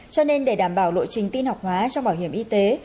cho nên để đảm bảo lộ trình tin học hóa trong bảo hiểm y tế